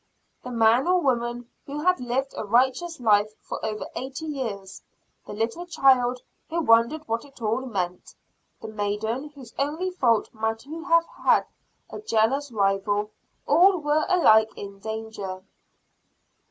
The man or woman who had lived a righteous life for over eighty years, the little child who wondered what it all meant, the maiden whose only fault might be to have a jealous rival, all were alike in danger.